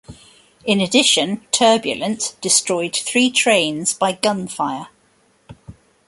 In addition "Turbulent" destroyed three trains by gun fire.